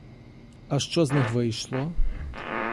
А що з них вийшло?